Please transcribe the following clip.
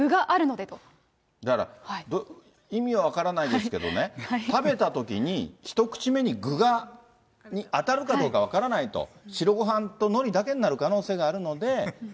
だから、意味は分からないですけどね、食べたときに、一口目に具に当たるかどうか分からないと、白ごはんとのりだけになる可能性があるので。